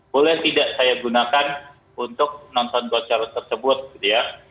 boleh tidak saya gunakan untuk nonton go charles tersebut gitu ya